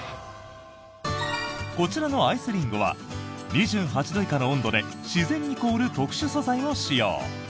こちらのアイスリングは２８度以下の温度で自然に凍る特殊素材を使用。